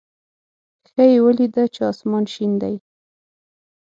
ښه یې ولېده چې اسمان شین دی.